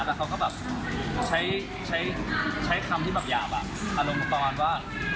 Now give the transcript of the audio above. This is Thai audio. แล้วเขาก็แบบใช้คำที่แบบหยาบอ่ะอารมณ์ประมาณว่า